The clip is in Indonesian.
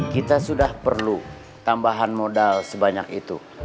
kita sudah perlu tambahan modal sebanyak itu